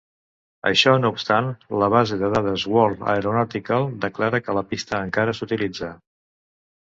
Això no obstant, la base de dades World Aeronautical declara que la pista encara s'utilitza.